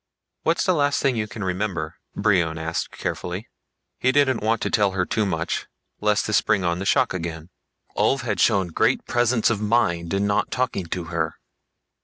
"What's the last thing you can remember?" Brion asked carefully. He didn't want to tell her too much, lest this bring on the shock again. Ulv had shown great presence of mind in not talking to her.